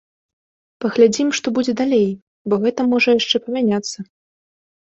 Паглядзім, што будзе далей, бо гэта можа яшчэ памяняцца.